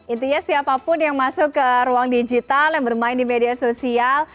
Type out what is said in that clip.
intinya siapapun yang masuk ke ruang digital yang bermain di media sosial